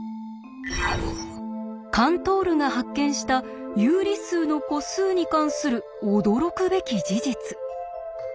カントールが発見した有理数の個数に関する驚くべき事実。